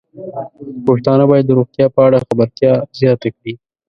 پښتانه بايد د روغتیا په اړه خبرتیا زياته کړي.